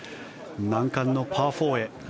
難関のパー４へ。